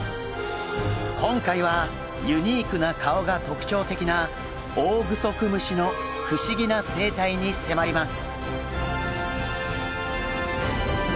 今回はユニークな顔が特徴的なオオグソクムシの不思議な生態に迫ります。